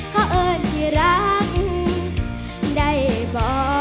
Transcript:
ขอเอิญที่รักได้บ่